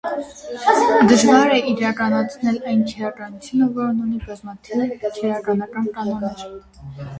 Դժվար է իրականացնել այն քերականությունը, որն ունի բազմաթիվ քերեկանական կանոններ։